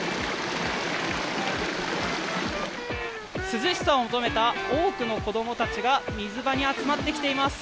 涼しさを求めた多くの子どもたちが水場に集まってきています。